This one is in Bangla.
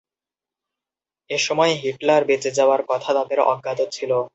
এসময় হিটলার বেঁচে যাওয়ার কথা তাদের অজ্ঞাত ছিল।